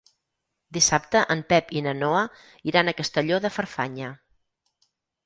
Dissabte en Pep i na Noa iran a Castelló de Farfanya.